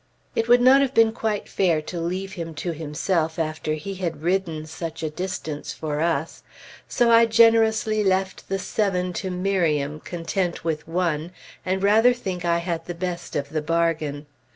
It would not have been quite fair to leave him to himself after he had ridden such a distance for us; so I generously left the seven to Miriam, content with one, and rather think I had the best of the bargain.